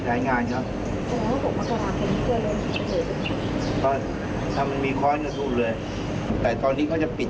ประชาชนจะได้รู้ว่าอาทิตย์นี่